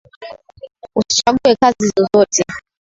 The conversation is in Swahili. Usichague kazi zozote.